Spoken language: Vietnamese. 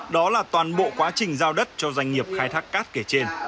đó là toàn bộ quá trình giao đất cho doanh nghiệp khai thác cát kể trên